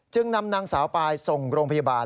นำนางสาวปายส่งโรงพยาบาล